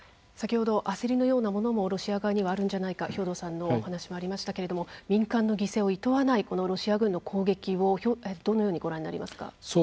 先ほど、焦りのようなものもロシア側にあるのではないかと兵頭さんのお話もありましたけれども民間の犠牲をいとなわないロシア軍の攻撃をどのようにご覧になりますか？